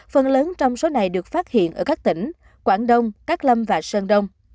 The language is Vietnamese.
phần lớn trong số này được phát hiện ở các tỉnh quảng đông các lâm và sơn đông